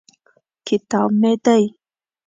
کتاب مې دی.